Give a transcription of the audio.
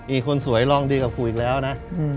อีกคนสวยลองดีกว่ากูอีกแล้วนะ